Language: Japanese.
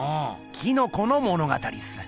「キノコ」の物語っす。